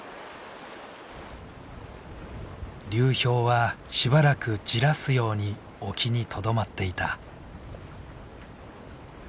流氷はしばらく焦らすように沖にとどまっていた。